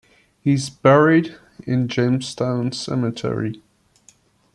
He is buried in Jamestown cemetery.